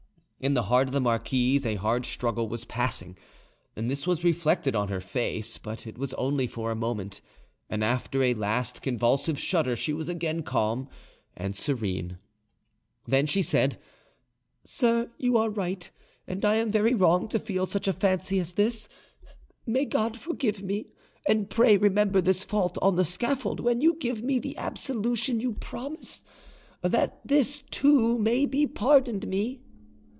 In the heart of the marquise a hard struggle was passing, and this was reflected on her face; but it was only for a moment, and after a last convulsive shudder she was again calm and serene; then she said:— "Sir, you are right, and I am very wrong to feel such a fancy as this: may God forgive me; and pray remember this fault on the scaffold, when you give me the absolution you promise, that this too may be pardoned me."